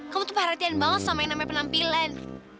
kamu tuh perhatian banget sama yang namanya penampilan